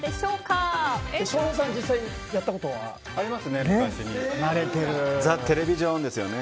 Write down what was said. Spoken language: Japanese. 翔平さん、実際やったことは？ありますね。